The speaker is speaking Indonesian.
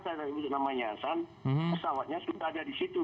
saya tadi butuh namanya yayasan pesawatnya sudah ada di situ